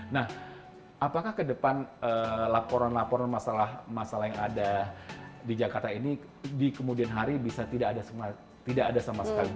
nah apakah ke depan laporan laporan masalah masalah yang ada di jakarta ini di kemudian hari bisa tidak ada sama sekali